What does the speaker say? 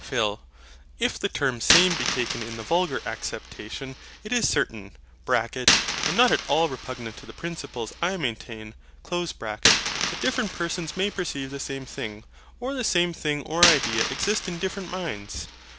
PHIL. If the term SAME be taken in the vulgar acceptation, it is certain (and not at all repugnant to the principles I maintain) that different persons may perceive the same thing; or the same thing or idea exist in different minds.